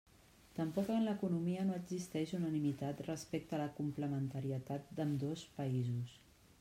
Tampoc en l'economia no existeix unanimitat respecte a la complementarietat d'ambdós països.